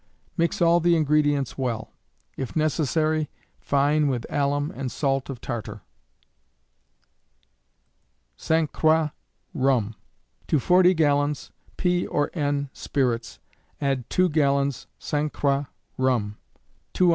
Mix all the ingredients well; if necessary, fine with alum and salt of tartar. St. Croix Rum. To 40 gallons p. or n. spirits, add 2 gallons St. Croix Rum; 2 oz.